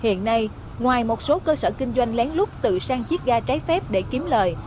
hiện nay ngoài một số cơ sở kinh doanh lén lút tự sang chiếc ga trái phép để kiếm lời